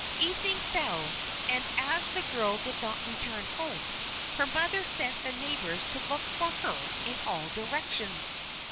Evening fell, and as the girl did not return home, her mother sent the neighbours to look for her in all directions.